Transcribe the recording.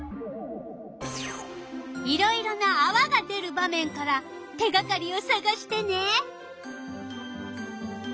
いろいろなあわが出る場面から手がかりをさがしてね。